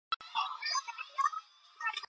재밌겠네요.